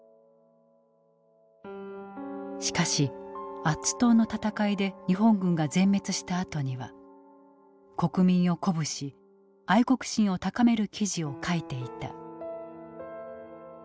しかしアッツ島の戦いで日本軍が全滅したあとには国民を鼓舞し愛国心を高める記事を書いていた。